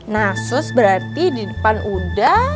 nah sus berarti di depan uda